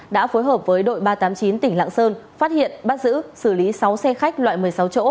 đã phối hợp với đội ba trăm tám mươi chín tỉnh lạng sơn phát hiện bắt giữ xử lý sáu xe khách loại một mươi sáu chỗ